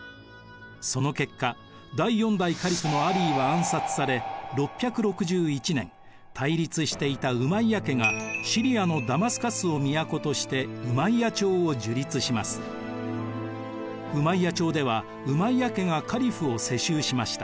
その結果第４代カリフのアリーは暗殺され６６１年対立していたウマイヤ家がシリアのダマスカスを都としてウマイヤ朝ではウマイヤ家がカリフを世襲しました。